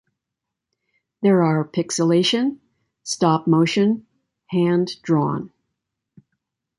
There are pixilation, stop motion, hand drawn.